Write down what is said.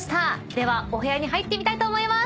ではお部屋に入ってみたいと思います。